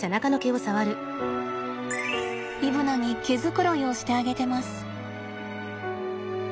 イブナに毛繕いをしてあげてます。